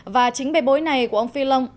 và chính bề bối này của ông fillon